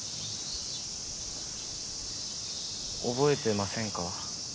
覚えてませんか？